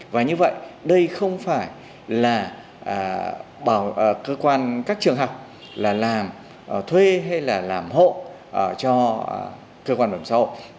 và như vậy đây không phải là bảo cơ quan các trường học là làm thuê hay là làm hộ cho cơ quan bảo hiểm xã hội